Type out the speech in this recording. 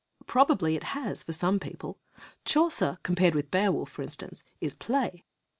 Probably it has — for some peo ple. Chaucer, compared with Beowulf, for instance, is play.